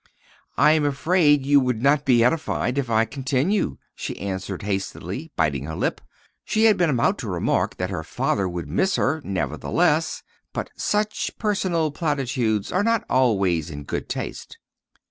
"I am afraid you would not be edified if I continued," she answered hastily, biting her lip. She had been about to remark that her father would miss her, nevertheless but such personal platitudes are not always in good taste.